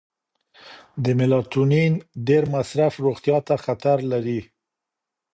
د میلاټونین ډیر مصرف روغتیا ته خطر لري.